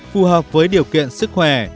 phù hợp với điều kiện sức khỏe